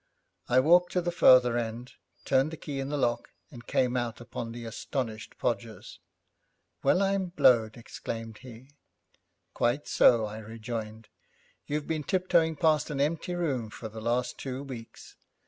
I walked to the farther end, turned the key in the lock, and came out upon the astonished Podgers. 'Well, I'm blowed!' exclaimed he. 'Quite so,' I rejoined, 'you've been tiptoeing past an empty room for the last two weeks.